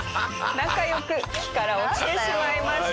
仲良く木から落ちてしまいました。